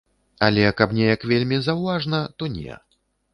Але каб неяк вельмі заўважна, то не.